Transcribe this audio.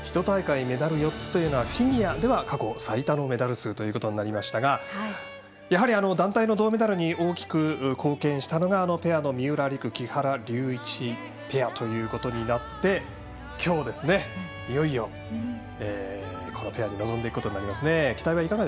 １大会メダル４つというのはフィギュアでは過去最多のメダル数となりましたがやはり、団体の銅メダルに大きく貢献したのがペアの三浦璃来、木原龍一ペアということになってきょうですね、いよいよこのペアで臨んでいくことになりますね。